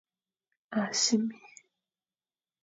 A sémé.